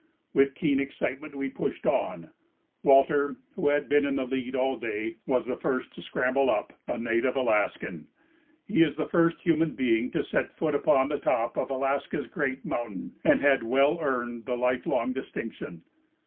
With keen excitement we pushed on. Walter, who had been in the lead all day, was the first to scramble up; a native Alaskan, he is the first human being to set foot upon the top of Alaska's great mountain, and he had well earned the lifelong distinction.